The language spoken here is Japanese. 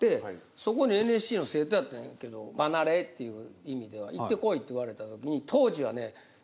そこにＮＳＣの生徒やったんやけど場慣れっていう意味で行ってこいって言われた時に当時はね